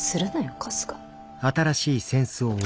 春日。